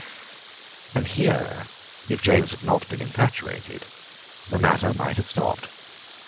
And here, if James had not been infatuated, the matter might have stopped.